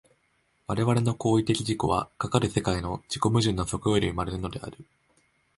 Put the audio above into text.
我々の行為的自己は、かかる世界の自己矛盾の底より生まれるのである。